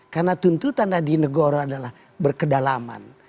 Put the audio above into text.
karena tuntutan adi nugoro adalah berkedalaman